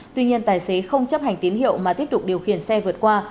tuy nhiên tài xế không chấp hành tín hiệu mà tiếp tục điều khiển xe vượt qua